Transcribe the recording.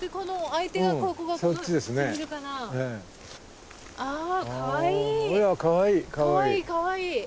いやかわいいかわいい。